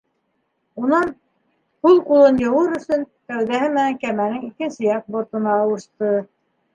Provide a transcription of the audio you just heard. Унан, һул ҡулын йыуыр өсөн, кәүҙәһе менән кәмәнең икенсе яҡ бортына ауышты.